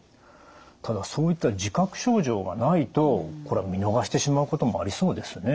ただそういった自覚症状がないと見逃してしまうこともありそうですね。